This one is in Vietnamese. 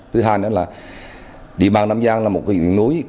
thứ hai nữa là địa bàn nam giang là một huyện miền núi